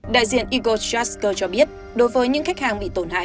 đại diện igor shcharsko cho biết đối với những khách hàng bị tổn hại